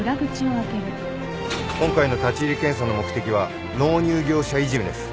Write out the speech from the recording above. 今回の立入検査の目的は納入業者いじめです。